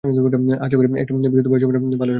আশা করি, একটু বিশুদ্ধ বায়ুসেবনে ভালই হবে।